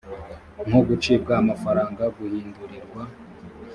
nko gucibwa amafaranga guhindurirwa